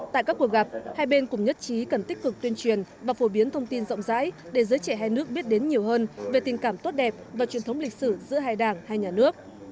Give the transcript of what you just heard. tại các cuộc gặp hai bên cùng nhất trí cần tích cực tuyên truyền và phổ biến thông tin rộng rãi để giới trẻ hai nước biết đến nhiều hơn về tình cảm tốt đẹp và truyền thống lịch sử giữa hai đảng hai nhà nước